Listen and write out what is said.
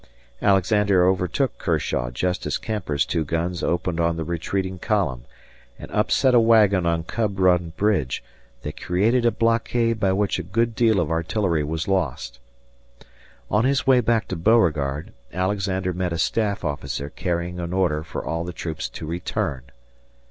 Alexander overtook Kershaw just as Kemper's two guns opened on the retreating column and upset a wagon on Cub Run bridge that created a blockade by which a good deal of artillery was lost. On his way back to Beauregard, Alexander met a staff officer carrying an order for all the troops to return.